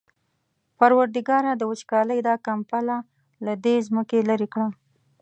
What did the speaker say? پروردګاره د وچکالۍ دا کمپله له دې ځمکې لېرې کړه.